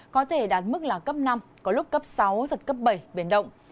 có thể đạt mức là cấp năm có lúc cấp sáu giật cấp bảy biển động